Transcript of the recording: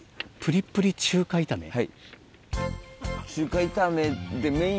はい。